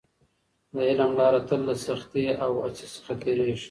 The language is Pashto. د علم لاره تل له سختۍ او هڅې څخه تېرېږي.